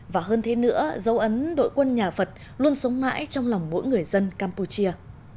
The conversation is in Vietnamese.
và hơn thế nữa dấu ấn đội quân nhà phật luôn sống mãi trong lòng mỗi người dân campuchia